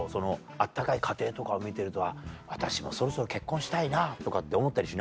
温かい家庭とかを見てると私もそろそろ結婚したいなとかって思ったりしない？